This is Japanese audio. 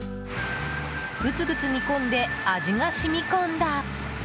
グツグツ煮込んで味が染み込んだ